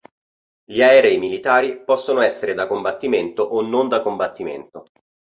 Gli aerei militari possono essere da combattimento o non da combattimento.